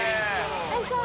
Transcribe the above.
よいしょ。